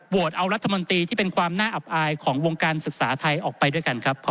เอารัฐมนตรีที่เป็นความน่าอับอายของวงการศึกษาไทยออกไปด้วยกันครับ